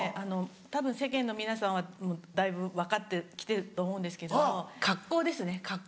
たぶん世間の皆さんはだいぶ分かってきてると思うんですけども格好ですね格好。